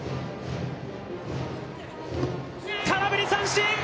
空振り三振！